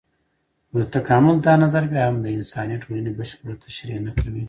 خو د تکامل دا نظر بيا هم د انساني ټولنې بشپړه تشرېح نه کوي.